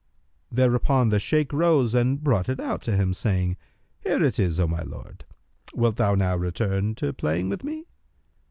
Thereupon the Shaykh rose and brought it out to him, saying, "Here it is, O my lord. Wilt thou now return to playing with me?"